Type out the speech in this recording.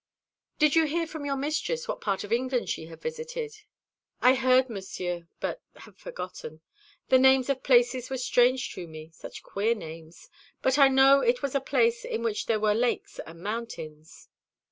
"Did you hear from your mistress what part of England she had visited?" "I heard, Monsieur, but have forgotten. The names of places were strange to me such queer names but I know it was a place in which there were lakes and mountains."